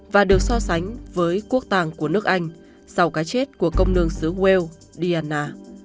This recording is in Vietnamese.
và được so sánh với quốc tàng của nước anh sau cái chết của công nương sứ wales diana